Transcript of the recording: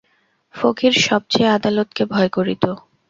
ফকির সব চেয়ে আদালতকে ভয় করিত।